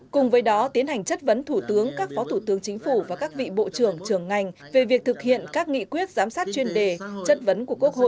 cùng với đó tiến hành chất vấn thủ tướng các phó thủ tướng chính phủ và các vị bộ trưởng trường ngành về việc thực hiện các nghị quyết giám sát chuyên đề chất vấn của quốc hội